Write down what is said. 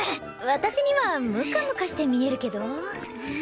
私にはムカムカして見えるけど？